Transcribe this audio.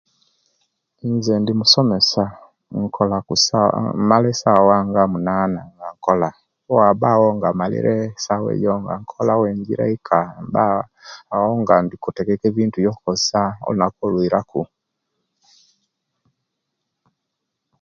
Inze indi musomesia nkola kusaa mmala sawa nga munana nga nkola owabawo nga mmalire sawa ejo nga nkola owenjira eika mba awo nga inkutegeka ebintu ebyokukozesia olunaku olwiraku